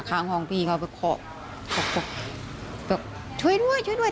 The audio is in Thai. ข้างห้องพี่เขาไปเคาะแบบช่วยด้วยช่วยด้วย